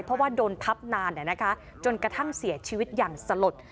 เพราะว่าโดนทับนานจนกระทั่งเสียชีวิตอย่างสลด